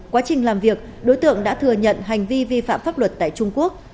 quá trình làm việc đối tượng đã thừa nhận hành vi vi phạm pháp luật tại trung quốc